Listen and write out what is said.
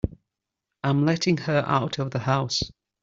I'm letting her out of the house.